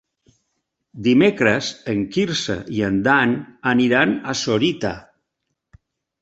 Dimecres en Quirze i en Dan aniran a Sorita.